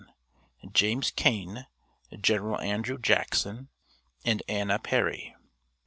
JAMES CAIN, "GENERAL ANDREW JACKSON," AND ANNA PERRY.